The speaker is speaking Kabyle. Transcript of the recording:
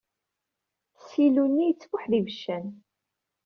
Ssilu-nni yettfuḥ d ibeccan.